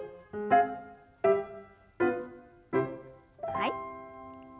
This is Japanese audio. はい。